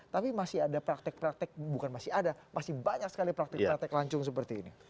tapi masih ada praktek praktek bukan masih ada masih banyak sekali praktik praktek lancung seperti ini